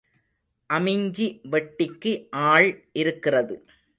அமிஞ்சி வெட்டிக்கு ஆள் இருக்கிறது.